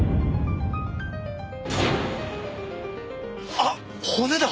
あっ骨だ！